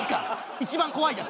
一番怖いやつ。